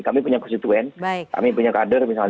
kami punya konstituen kami punya kader misalnya